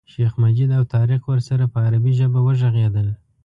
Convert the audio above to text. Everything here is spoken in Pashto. شیخ مجید او طارق ورسره په عربي ژبه وغږېدل.